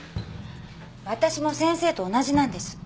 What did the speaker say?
わたしも先生と同じなんです。